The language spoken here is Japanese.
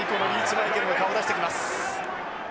マイケルが顔を出してきます。